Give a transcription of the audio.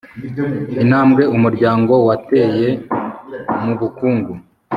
intambwe umuryango wateye mu bukungu